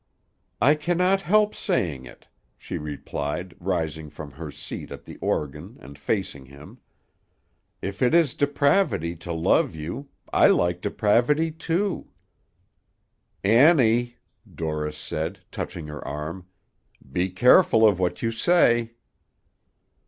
"I cannot help saying it," she replied, rising from her seat at the organ, and facing him. "If it is depravity to love you, I like depravity, too." "Annie," Dorris said, touching her arm, "be careful of what you say."